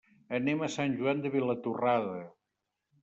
Anem a Sant Joan de Vilatorrada.